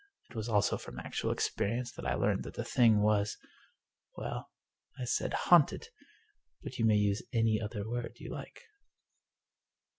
It was also from actual experience that I learned that the thing was — well, I said haunted, but you may use any other word you like."